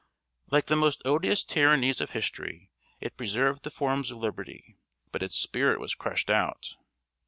] Like the most odious tyrannies of history, it preserved the forms of liberty; but its spirit was crushed out.